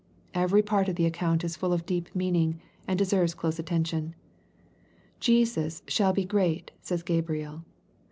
Every part of the account is full of deep meaning, and deserves close attention. Jesus " shall be great," says Gabriel.